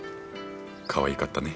かわいかったね。